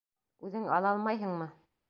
Үҙең ала алмайһыңмы?